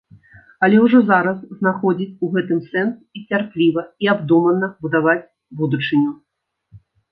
Але ўжо зараз знаходзіць у гэтым сэнс і цярпліва і абдумана будаваць будучыню.